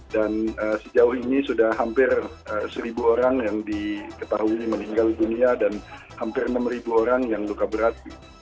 dan sejauh ini sudah hampir seribu orang yang diketahui meninggal dunia dan hampir enam orang yang luka berat